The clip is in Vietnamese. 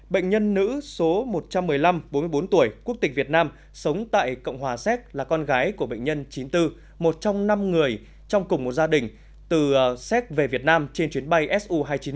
bệnh nhân nữ số một trăm một mươi năm bốn mươi bốn tuổi quốc tịch việt nam sống tại cộng hòa séc là con gái của bệnh nhân chín mươi bốn một trong năm người trong cùng một gia đình từ séc về việt nam trên chuyến bay su hai trăm chín mươi